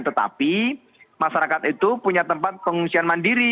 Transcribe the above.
tetapi masyarakat itu punya tempat pengungsian mandiri